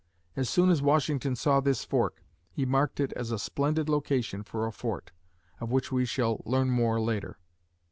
As soon as Washington saw this fork, he marked it as a splendid location for a fort, of which we shall learn more later.